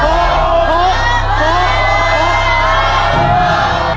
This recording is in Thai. ถูก